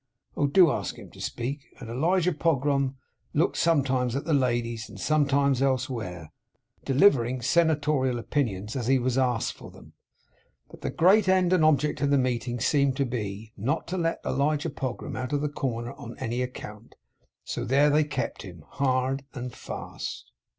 Oh, do ask him to speak!' And Elijah Pogram looked sometimes at the ladies and sometimes elsewhere, delivering senatorial opinions, as he was asked for them. But the great end and object of the meeting seemed to be, not to let Elijah Pogram out of the corner on any account; so there they kept him, hard and fast.